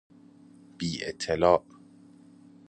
بی اطلاع